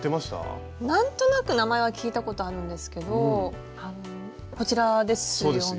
何となく名前は聞いたことあるんですけどこちらですよね？